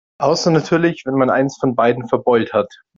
Außer natürlich, wenn man eins von beiden verbeult hat.